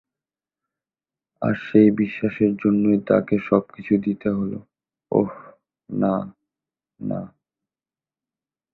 আর সেই বিশ্বাসের জন্যই তাকে সবকিছু দিতে হলো ওহ, না, না।